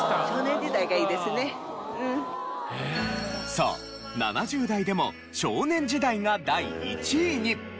そう７０代でも『少年時代』が第１位に！